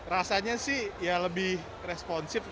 rasanya sih ya lebih responsif